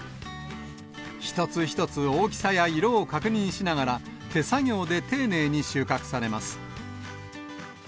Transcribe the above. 一つ一つ大きさや色を確認しながら、手作業で丁寧に収穫されます。